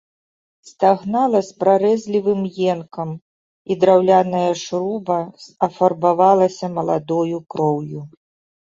Стагнала з прарэзлівым енкам, і драўляная шруба афарбавалася маладою кроўю.